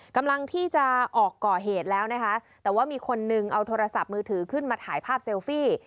กำลังที่จะออกก่อเหตุแล้วนะคะแต่ว่ามีคนนึงเอาโทรศัพท์มือถือขึ้นมาถ่ายภาพเซลฟี่